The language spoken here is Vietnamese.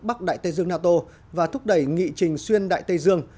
bắc đại tây dương nato và thúc đẩy nghị trình xuyên đại tây dương